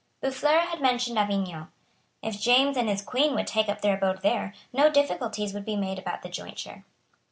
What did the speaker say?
Boufflers had mentioned Avignon. If James and his Queen would take up their abode there, no difficulties would be made about the jointure.